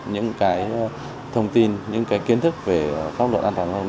những cái thông tin những cái kiến thức về pháp luật an toàn giao thông